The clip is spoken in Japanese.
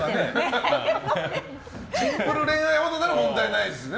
シンプル恋愛なら問題ないんですね。